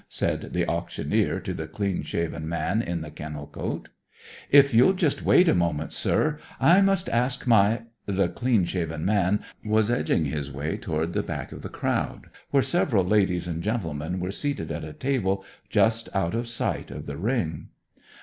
said the auctioneer to the clean shaven man in the kennel coat. "If you'll just wait one moment, sir; I must just ask my " The clean shaven man was edging his way towards the back of the crowd, where several ladies and gentlemen were seated at a table just out of sight of the ring.